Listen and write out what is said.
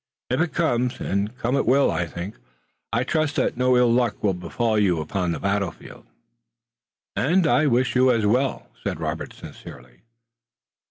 If it comes, and come it will, I think, I trust that no ill luck will befall you upon the battlefield." "And I wish you as well," said Robert, sincerely.